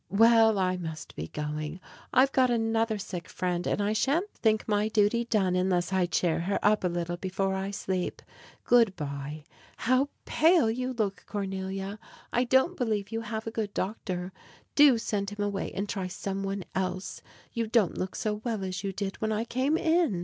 Well, I must be going now. I've got another sick friend, and I sha'n't think my duty done unless I cheer her up a little before I sleep. Good by. How pale you look, Cornelia! I don't believe you have a good doctor. Do send him away and try some one else. You don't look so well as you did when I came in.